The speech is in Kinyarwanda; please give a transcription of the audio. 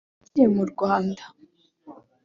Akiri mu Rwanda